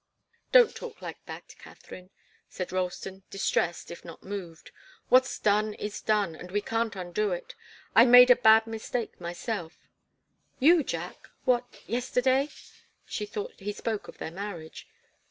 "Don't talk like that, Katharine!" said Ralston, distressed, if not moved. "What's done is done, and we can't undo it. I made a bad mistake myself " "You, Jack? What? Yesterday?" She thought he spoke of their marriage.